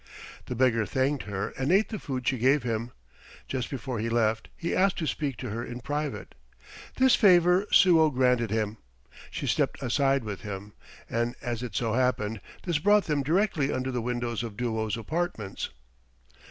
The beggar thanked her and ate the food she gave him. Just before he left, he asked to speak to her in private. This favor Suo granted him. She stepped aside with him, and as it so happened this brought them directly under the windows of Duo's apartments.